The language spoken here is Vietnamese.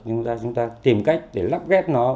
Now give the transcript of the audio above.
nhưng chúng ta tìm cách để lắp ghép nó